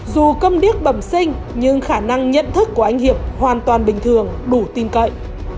dù cầm điếc bẩm sinh nhưng khả năng nhận thức của anh hiệp hoàn toàn bình thường đủ tin cậy